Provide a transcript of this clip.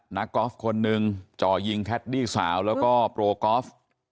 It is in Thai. กอล์ฟคนหนึ่งจ่อยิงแคดดี้สาวแล้วก็โปรกอล์ฟ